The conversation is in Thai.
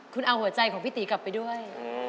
คุณเอาหัวใจของพี่ตีกลับไปด้วย